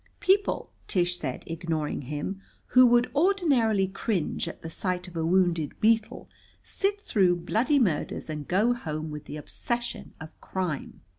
"People," Tish said, ignoring him, "who would ordinarily cringe at the sight of a wounded beetle sit through bloody murders and go home with the obsession of crime."